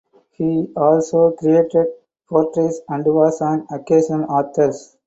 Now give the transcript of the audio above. He also created portraits and was an occasional author.